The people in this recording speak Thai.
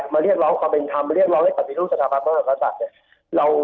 มาเรียกร้องความเป็นธรรมมาเรียกร้องให้ประสิทธิ์ศึกษาภาพมรรณฑภาษา